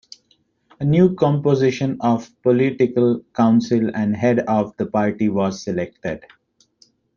The new composition of the Political Council and Head of the Party was selected.